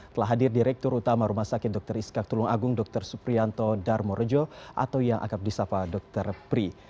telah hadir direktur utama rumah sakit dr iskak tulung agung dr suprianto darmorejo atau yang akrab di sapa dr pri